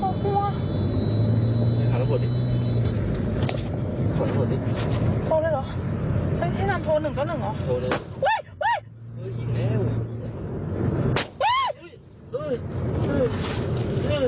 มีองค์ก็เลยแย่หลายยิงรถหนูแบบเยอะมาก